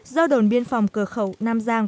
do đồn biên phòng cửa khẩu nam giang